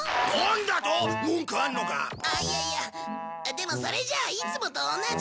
でもそれじゃあいつもと同じ。